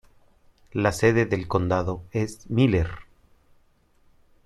La sede del condado es Miller.